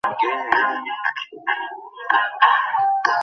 বেলা একটার দিকে বাদে আলী গ্রামে পোস্টার হাতে মানববন্ধন করেন এলাকাবাসী।